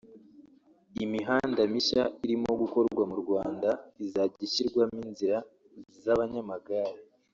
Imihanda mishya irimo gukorwa mu Rwanda izajya ishyirwamo inzira z’abanyamagare